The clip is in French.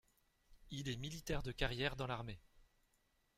Il est militaire de carrière dans l’armée.